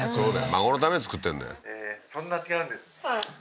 孫のために作ってんだよ。